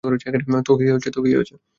তো কী হয়েছে!